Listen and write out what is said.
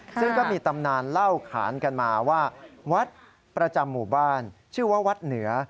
ซึ่งก็มีตำนานเล่าขานกันมาว่าวัดประจำหมู่บ้านชื่อว่าวัดเหนือ